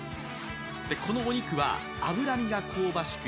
このお肉は脂身が香ばしく